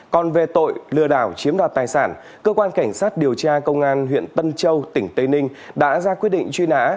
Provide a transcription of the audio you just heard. còn về tội lừa đảo chiếm đoạt tài sản cơ quan cảnh sát điều tra công an huyện tân châu tỉnh tây ninh đã ra quyết định truy nã